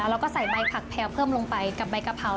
แล้วก็ใส่ใบผักแพลวเพิ่มลงไปกับใบกะเพรา